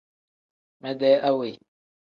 Mede awe.